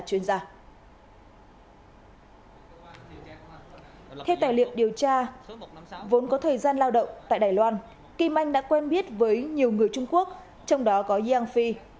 theo tài liệu điều tra vốn có thời gian lao động tại đài loan kim anh đã quen biết với nhiều người trung quốc trong đó có yang phi